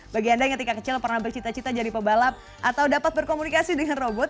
bagi anda yang ketika kecil pernah bercita cita jadi pebalap atau dapat berkomunikasi dengan robot